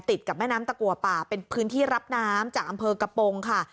ติดกับแม่น้ำตะกัวป่าเป็นพื้นที่รับน้ำจากอำเภอกระโปรงค่ะ